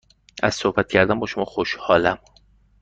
از صحبت کردن با شما خوشحالم.